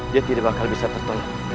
dia tidak akan bisa tertolong